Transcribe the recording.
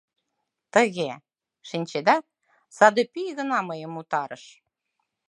Тыге, шинчеда, саде пӱй гына мыйым утарыш!